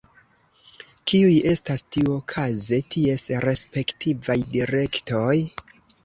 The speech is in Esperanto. Kiuj estas tiuokaze ties respektivaj direktoj?